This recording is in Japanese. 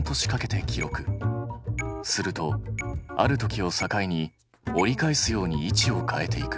するとある時を境に折り返すように位置を変えていく。